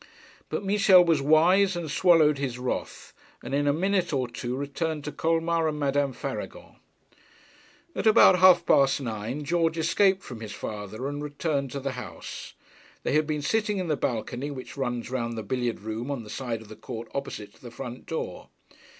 But Michel was wise and swallowed his wrath, and in a minute or two returned to Colmar and Madame Faragon. At about half past nine George escaped from his father and returned to the house. They had been sitting in the balcony which runs round the billiard room on the side of the court opposite to the front door.